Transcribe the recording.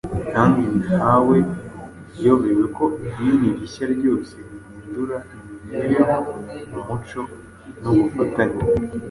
kandi nta we uyobewe ko idini rishya ryose rihindura imibereho, umuco n'ubufatanye